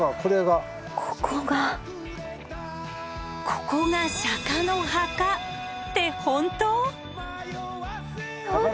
ここが釈の墓って本当？